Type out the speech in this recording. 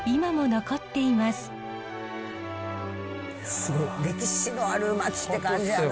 すごい歴史のある町って感じやな。